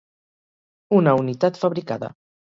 Una unitat fabricada.